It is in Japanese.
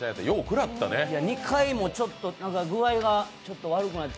２回もくらって、具合が悪くなって。